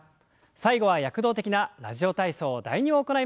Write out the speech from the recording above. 最後は躍動的な「ラジオ体操第２」を行います。